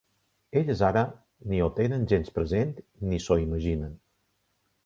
Elles ara ni ho tenen gens present ni s'ho imaginen.